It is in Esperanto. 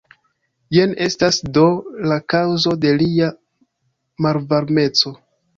Jen estas do la kaŭzo de lia malvarmeco.